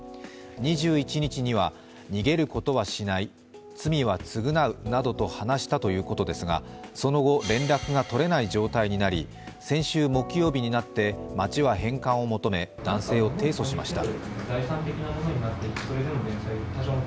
２１日には、逃げることはしない、罪は償うなどと話したということですがその後連絡が取れない状態になり先週木曜日になって町は返還を求め、男性を提訴しました。